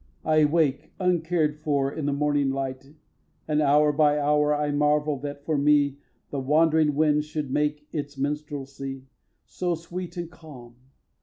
I wake, uncared for, in the morning light; And, hour by hour, I marvel that for me The wandering wind should make its minstrelsy So sweet and calm.